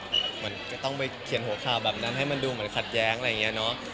เหมือนจะต้องไปเขียนหัวข่าวแบบนั้นให้มันดูเหมือนขัดแย้งอะไรอย่างนี้เนอะ